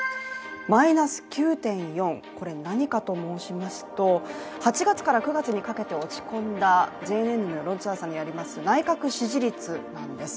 −９．４、何かと申しますと８月から９月にかけて落ち込んだＪＮＮの世論調査によります内閣支持率なんです。